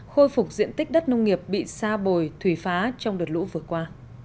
khôi phục diện tích đất nông nghiệp bị sa bồi thủy phá trong đợt lũ vừa qua